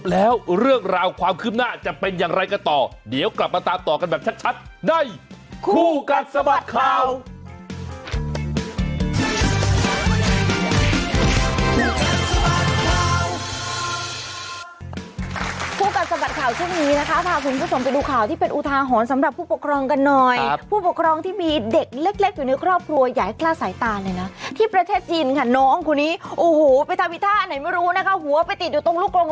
แล้วน้องก็ได้รับการสนับสนุนจนมีร้านกะเพราเป็นของตัวเอง